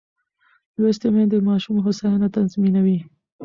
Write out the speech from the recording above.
لوستې میندې د ماشوم هوساینه تضمینوي.